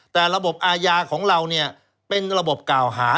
แต่ระบบอาญาของเราเนี่ยเป็นระบบกล่าวหา